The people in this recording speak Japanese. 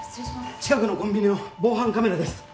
近くのコンビニの防犯カメラです